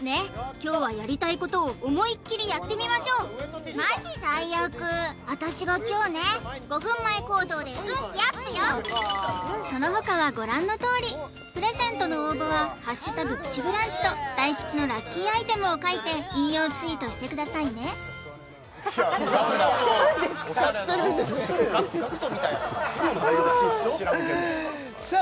今日はやりたいことを思いっきりやってみましょうマジ最悪私が凶ね５分前行動で運気アップよそのほかはご覧のとおりプレゼントの応募は「＃プチブランチ」と大吉のラッキーアイテムを書いて引用ツイートしてくださいねさあ